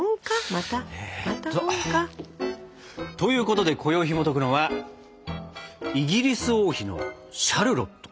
また本か。ということでこよいひもとくのは「イギリス王妃のシャルロット」！